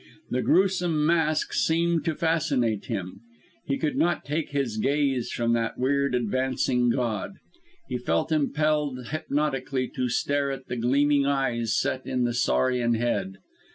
The gruesome mask seemed to fascinate him; he could not take his gaze from that weird advancing god; he felt impelled hypnotically to stare at the gleaming eyes set in the saurian head.